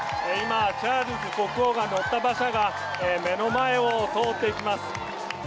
チャールズ国王が乗った馬車が目の前を通っていきます。